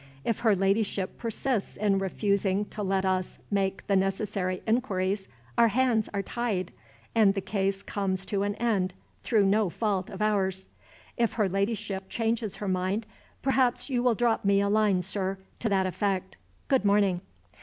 "If her Ladyship persists in refusing to let us make the necessary inquiries, our hands are tied, and the case comes to an end through no fault of ours. If her Ladyship changes her mind, perhaps you will drop me a line, sir, to that effect. Good morning."